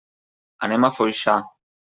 Anem a Foixà.